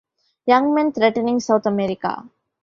Young men threatening South America!